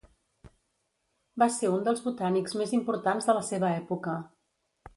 Va ser un dels botànics més importants de la seva època.